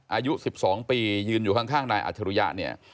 อายุ๑๒ปียืนอยู่ข้างนายอัจฉริยะเนี่ย